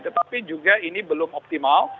tetapi juga ini belum optimal